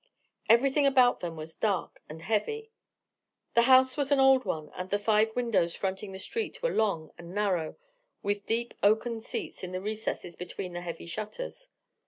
Everything about them was dark and heavy. The house was an old one, and the five windows fronting the street were long and narrow, with deep oaken seats in the recesses between the heavy shutters.